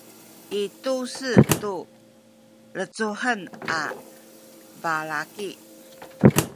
i tu-se tu lecuhen a balaki